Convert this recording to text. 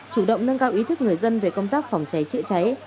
chủ động nâng cao ý thức người dân về công tác phòng cháy chữa cháy